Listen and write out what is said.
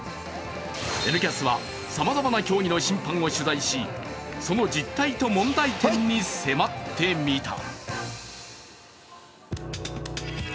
「Ｎキャス」はさまざまな競技の審判を取材し、その実態と問題点に迫ってみた。